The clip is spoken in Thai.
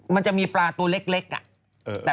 มันจะมีปลาตัวเล็ก